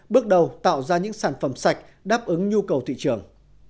bước đầu tạo ra những sản phẩm sạch đáp ứng nhu cầu thị trường